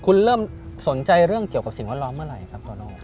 คุณเริ่มสนใจเรื่องเกี่ยวกับสิ่งแวดล้อมเมื่อไหร่ครับโตโน่